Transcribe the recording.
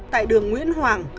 tại đường nguyễn hoàng